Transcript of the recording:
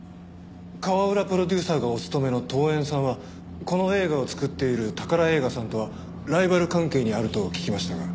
川浦プロデューサーがお勤めの東演さんはこの映画を作っている宝映画さんとはライバル関係にあると聞きましたが。